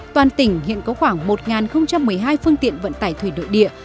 toàn tỉnh hiện có khoảng một một mươi hai phương tiện vận tải thủy nội địa